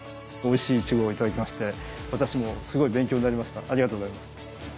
おいしいイチゴを頂きまして私もすごい勉強になりました。